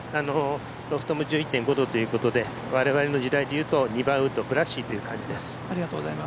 ロフトも１１．５度ということで我々の時代でいうと２番ウッドという感じです。